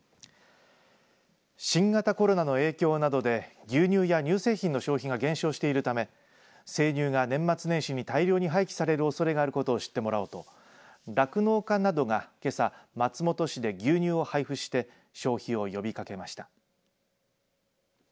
新型コロナの影響などで牛乳や乳製品の消費が減少しているため生乳が年末年始に大量に廃棄されるおそれがあることを知ってもらおうと酪農家などが、けさ、松本市で牛乳を配布して消費を呼びかけました。